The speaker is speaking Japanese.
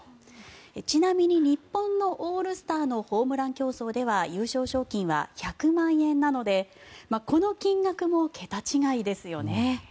ちなみに日本のオールスターのホームラン競争では優勝賞金は１００万円なのでこの金額も桁違いですよね。